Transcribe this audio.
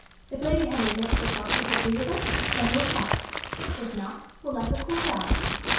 If Lady Henry makes herself disagreeable, then we'll fight. If not, we'll let her cool down.